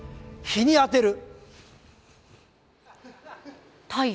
日にあてる。